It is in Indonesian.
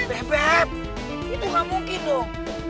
bebep itu gak mungkin dong